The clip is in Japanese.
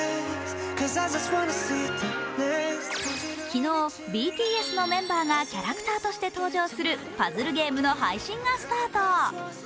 昨日、ＢＴＳのメンバーがキャラクターとして登場するパズルゲームの配信がスタート。